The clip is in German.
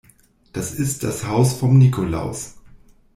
Das ist das Haus vom Nikolaus.